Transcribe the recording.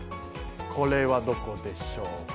これはどこでしょうか？